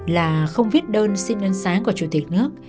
là không viết đơn xin ăn sáng của chủ tịch nước